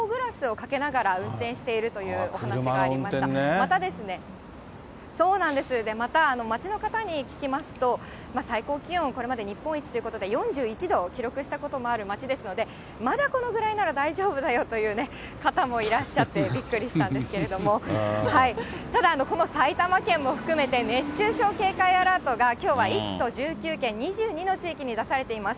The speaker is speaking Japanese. またですね、また町の方に聞きますと、最高気温、これまで日本一ということで、４１度を記録したこともある町ですので、まだこのぐらいなら大丈夫だよというね、方もいらっしゃってびっくりしたんですけれども、ただ、この埼玉県も含めて、熱中症警戒アラートがきょうは１都１９県２２の地域に出されています。